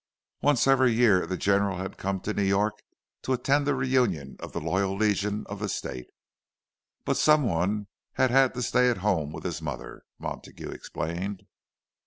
Once every year the General had come to New York to attend the reunion of the Loyal Legion of the State; but some one had had to stay at home with his mother, Montague explained.